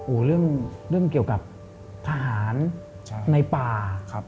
โอ้โหเรื่องเกี่ยวกับทหารในป่า